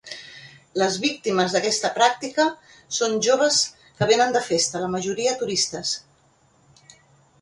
Les víctimes d’aquesta pràctica són joves que vénen de festa, la majoria turistes.